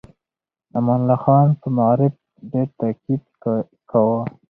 امان الله خان په معارف ډېر تاکيد کاوه.